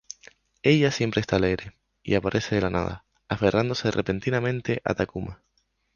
Ella siempre está alegre, y aparece de la nada, aferrándose repentinamente a Takuma.